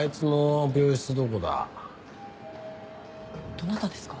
どなたですか？